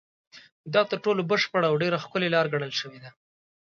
دا تر ټولو بشپړه او ډېره ښکلې لاره ګڼل شوې ده.